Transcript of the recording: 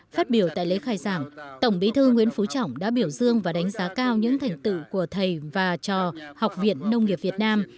phát biểu tại lễ khai giảng tổng bí thư nguyễn phú trọng đã biểu dương và đánh giá cao những thành tựu của thầy và trò học viện nông nghiệp việt nam